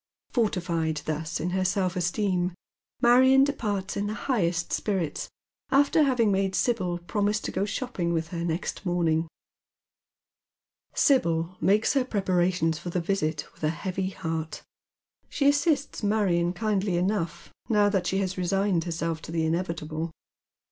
Fortified thus in her self esteem Marion departs in the highest spirits, after having made Sibyl promise to go ghopping with ba next morning. 190 i)ead Men's FilioeS. Sibyl makes her preparations for the visit with a heavy heart She assists Marion kindly enough now that she has resigntd herself to the inevitable.